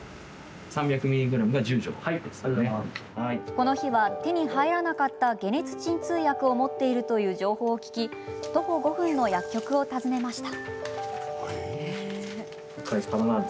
この日は、手に入らなかった解熱鎮痛薬を持っているという情報を聞き徒歩５分の薬局を訪ねました。